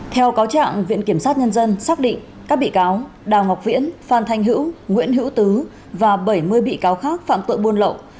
theo cáo trạng viện kiểm sát nhân dân xác định các bị cáo đào ngọc viễn phan thanh hữu nguyễn hữu tứ và bảy mươi bị cáo khác phạm tội buôn lậu